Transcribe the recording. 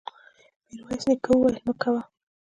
ميرويس نيکه وويل: مه کوه!